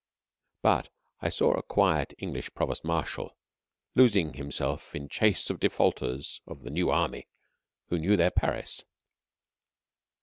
But I saw a quite English Provost Marshal losing himself in chase of defaulters of the New Army who knew their Paris!